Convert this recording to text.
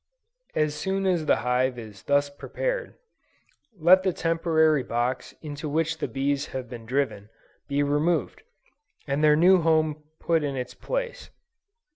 As soon as the hive is thus prepared, let the temporary box into which the bees have been driven, be removed, and their new home put in its place.